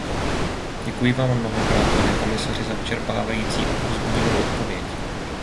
Děkuji Vám mnohokrát, pane komisaři, za vyčerpávající a povzbudivou odpověď.